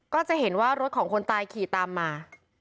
ก็จะเห็นว่ารถของคนตายขี่ตามมา